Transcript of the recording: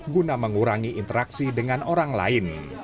guna mengurangi interaksi dengan orang lain